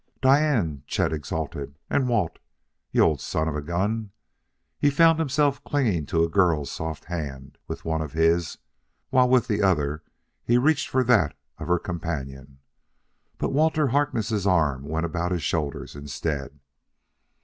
"Diane!" Chet exulted, " and Walt! you old son of a gun!" He found himself clinging to a girl's soft hand with one of his, while with the other he reached for that of her companion. But Walt Harkness' arm went about his shoulders instead.